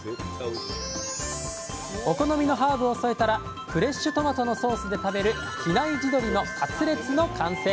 お好みのハーブを添えたらフレッシュトマトのソースで食べる「比内地鶏のカツレツ」の完成。